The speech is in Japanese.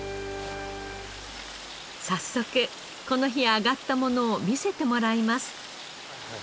早速この日揚がったものを見せてもらいます。